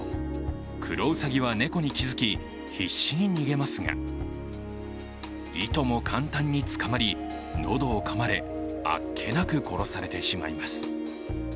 クロウサギは猫に気付き必死に逃げますがいとも簡単に捕まり、喉をかまれ、あっけなく殺されてしまいます。